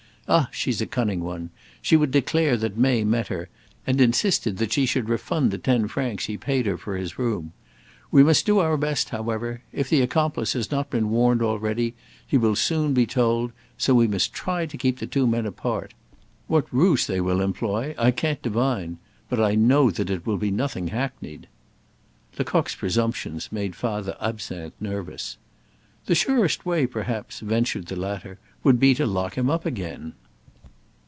Ah! she's a cunning one. She would declare that May met her and insisted that she should refund the ten francs he paid her for his room. We must do our best, however. If the accomplice has not been warned already, he will soon be told; so we must try to keep the two men apart. What ruse they will employ, I can't divine. But I know that it will be nothing hackneyed." Lecoq's presumptions made Father Absinthe nervous. "The surest way, perhaps," ventured the latter, "would be to lock him up again!"